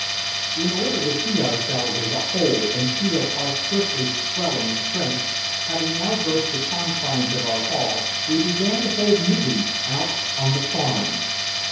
In order to see ourselves as a whole and feel our swiftly swelling strength, having now burst the confines of our hall, we began to hold meetings out on "the Farm."